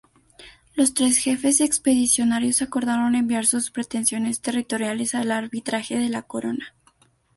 Los tres jefes expedicionarios acordaron enviar sus pretensiones territoriales al arbitraje de la corona.